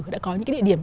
đã có những cái địa điểm